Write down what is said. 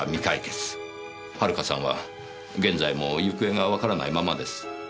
遥さんは現在も行方がわからないままです。